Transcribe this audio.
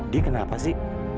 dia kenapa sih